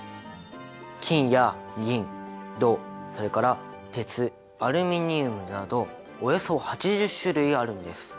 金や銀銅それから鉄アルミニウムなどおよそ８０種類あるんです。